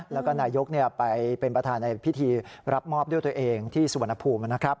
แล้วก็นายกไปเป็นประธานในพิธีรับมอบด้วยตัวเองที่สุวรรณภูมินะครับ